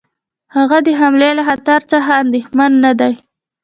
هغه د حملې له خطر څخه اندېښمن نه دی.